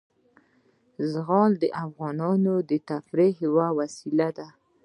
زغال د افغانانو د تفریح یوه وسیله ده.